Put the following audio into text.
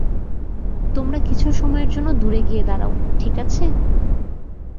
তোমরা কিছু সময়ের জন্য দূরে গিয়ে দাঁড়াও ঠিক আছে?